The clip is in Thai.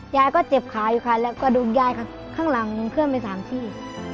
ยายก็เจ็บขาอยู่ค่ะแล้วกระดูกยายค่ะข้างหลังเพื่อนไปสามที่